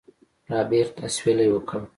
رابرټ اسويلى وکړ.